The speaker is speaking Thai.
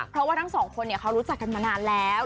เพราะว่าทั้งสองคนเขารู้จักกันมานานแล้ว